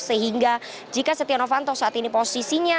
sehingga jika setia novanto saat ini posisinya